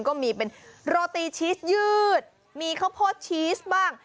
ก็มีเป็นโรตีชีสยืดมีข้าวโพดชีสบ้าง